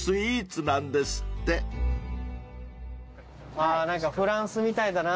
あぁ何かフランスみたいだな。